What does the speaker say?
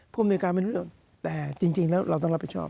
ภูมิในการไม่รู้เรื่องแต่จริงแล้วเราต้องรับผิดชอบ